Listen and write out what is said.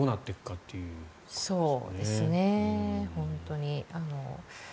そうですね、本当に。